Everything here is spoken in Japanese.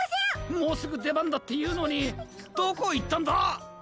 もうすぐでばんだっていうのにどこいったんだ！？